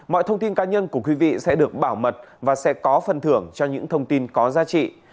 mọi thông tin cá nhân của quý vị sẽ được bảo mật và sẽ có phần thưởng cho những thông tin có giá trị